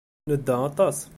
Nedda aṭas.